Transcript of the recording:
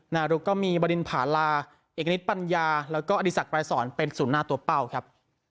เราก็มีบริณภาราเอกณชนิดปัญญาแล้วก็อดีตป่ายสอนเป็นสุนหน้าตัวเป้าครับ